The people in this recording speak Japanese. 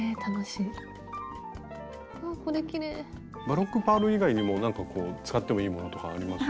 バロックパール以外にもなんかこう使ってもいいものとかあります？